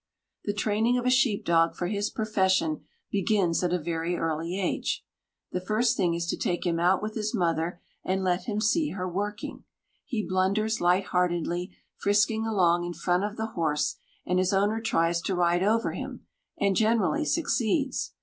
The training of a sheep dog for his profession begins at a very early age. The first thing is to take him out with his mother and let him see her working. He blunders lightheartedly, frisking along in front of the horse, and his owner tries to ride over him, and generally succeeds.